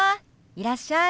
いらっしゃい。